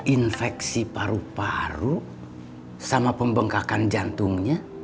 infeksi paru paru sama pembengkakan jantungnya